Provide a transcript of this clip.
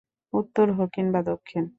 উত্তর হোক কিংবা দক্ষিণ।